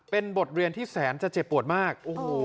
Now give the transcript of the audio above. เป็นบทเรียนที่แสนจะเจ็บปวดมาก